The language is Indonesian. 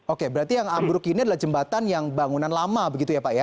oke berarti yang ambruk ini adalah jembatan yang bangunan lama begitu ya pak ya